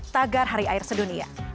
tagar hari air sedunia